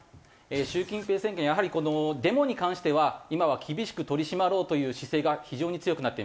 習近平政権やはりこのデモに関しては今は厳しく取り締まろうという姿勢が非常に強くなっています。